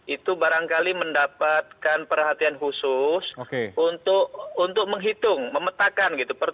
itu barangkali mendapatkan perhatian khusus untuk menghitung memetakan